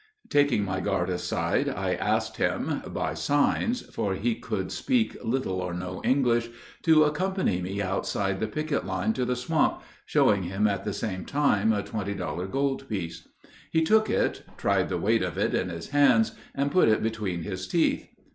Taking my guard aside, I asked him, by signs (for he could speak little or no English), to accompany me outside the picket line to the swamp, showing him at the same time a twenty dollar gold piece. He took it, tried the weight of it in his hands, and put it between his teeth.